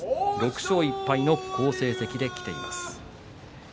６勝１敗の好成績できています。